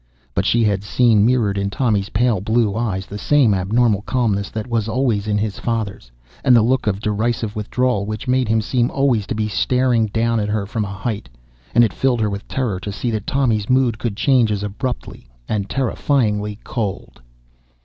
But she had seen mirrored in Tommy's pale blue eyes the same abnormal calmness that was always in his father's, and the look of derisive withdrawal which made him seem always to be staring down at her from a height. And it filled her with terror to see that Tommy's mood could change as abruptly and terrifyingly cold